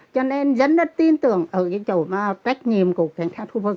cho nên dân đã tin tưởng ở cái chỗ trách nhiệm của cảnh sát khu vực